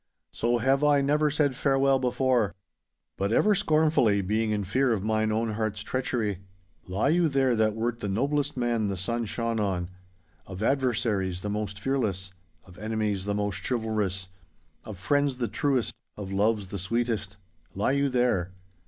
So have I never said farewell before. But ever scornfully, being in fear of mine own heart's treachery. Lie you there that wert the noblest man the sun shone on, of adversaries the most fearless, of enemies the most chivalrous, of friends the truest, of loves the sweetest—lie you there.